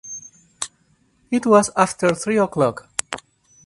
It was after three o’clock.